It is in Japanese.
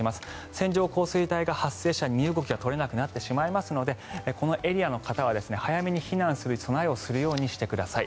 線状降水帯が発生すると身動きが取れなくなってしまいますのでこのエリアの方は早めに避難する備えをするようにしてください。